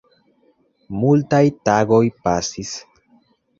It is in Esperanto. Multaj tagoj pasis.